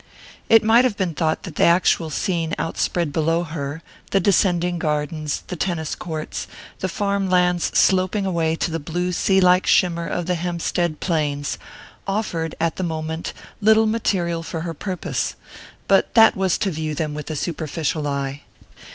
It might have been thought that the actual scene out spread below her the descending gardens, the tennis courts, the farm lands sloping away to the blue sea like shimmer of the Hempstead plains offered, at the moment, little material for her purpose; but that was to view them with a superficial eye.